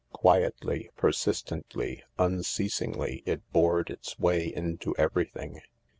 Quietly, persistently, unceasingly it bored its way into everything.